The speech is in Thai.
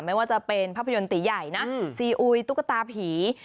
ไม่ว่าจะเป็นภาพยนตร์ตีใหญ่นะซีอุยตุ๊กตาผี